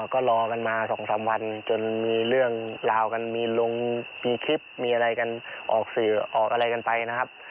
ก็รอกันมา๒๓วันจนมีเรื่องราวกันมีลงมีคลิปมีอะไรกันออกสื่อออกอะไรกันไปนะครับ